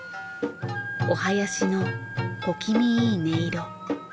お囃子の小気味いい音色。